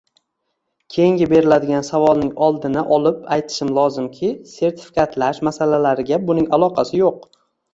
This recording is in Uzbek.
Keyingi beriladigan savolning oldini olib aytishim lozimki, sertifikatlash masalalariga buning aloqasi yo‘q.